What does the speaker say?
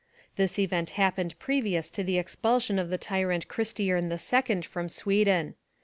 This event happened previous to the expulsion of the tyrant Christiern the Second from Sweden."